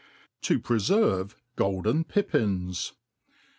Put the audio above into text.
To preftrve Golden Pippins.